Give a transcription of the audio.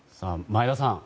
前田さん